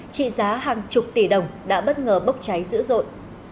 trị giá hàng chục tỷ đồng đã bất ngờ bốc cháy dữ dội